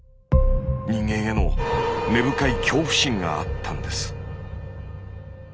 人間への根深い恐怖心があったんです。